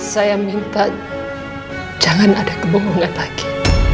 saya minta jangan ada kebohongan lagi